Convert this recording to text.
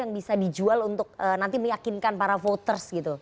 yang bisa dijual untuk nanti meyakinkan para voters gitu